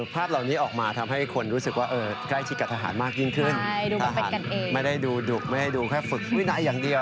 ภาพเหล่านี้ออกมาทำให้คนรู้สึกว่าใกล้ชิดกับทหารมากยิ่งขึ้นทหารไม่ได้ดูดุไม่ได้ดูแค่ฝึกวินัยอย่างเดียว